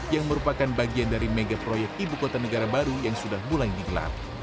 yang merupakan bagian dari mega proyek ibu kota negara baru yang sudah mulai digelar